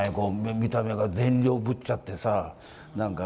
見た目が、善良ぶっちゃってさ。